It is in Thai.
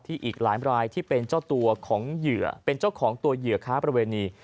อีกหลายรายที่เป็นเจ้าตัวของเหยื่อเป็นเจ้าของตัวเหยื่อค้าประเวณี